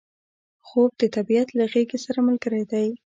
خوب د طبیعت له غیږې سره ملګری دی